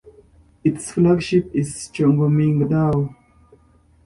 Its flagship is "Chongmingdao".